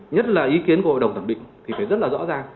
nhất là ý kiến của hội đồng thẩm định thì phải rất là rõ ràng